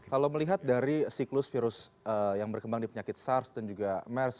kalau melihat dari siklus virus yang berkembang di penyakit sars dan juga mers